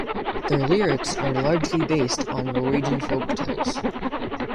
Their lyrics are largely based on Norwegian folk tales.